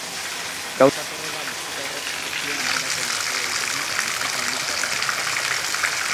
Gauzak horrela, bisita horrek ez zion inolako mesederik egin iritzi publikoaren aurrean.